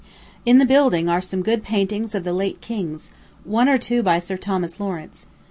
In the building are some good paintings of the late kings; one or two by Sir Thomas Lawrence.